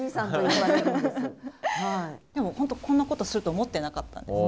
本当こんなことすると思ってなかったんです。